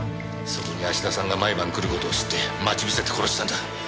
そこに芦田さんが毎晩来る事を知って待ち伏せて殺したんだ。